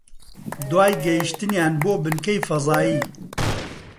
دوای گەیشتنیان بۆ بنکەی فەزایی